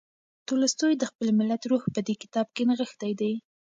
تولستوی د خپل ملت روح په دې کتاب کې نغښتی دی.